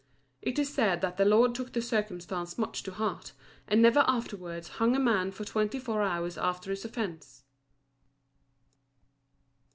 It is said that the lord took the circumstance much to heart, and never afterwards hung a man for twenty four hours after his offence.